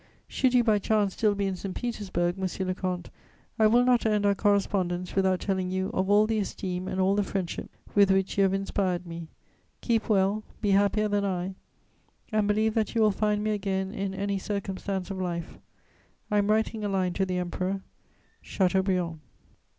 "Should you by chance still be in St. Petersburg, monsieur le comte, I will not end our correspondence without telling you of all the esteem and all the friendship with which you have inspired me: keep well; be happier than I, and believe that you will find me again in any circumstance of life. I am writing a line to the Emperor. "CHATEAUBRIAND."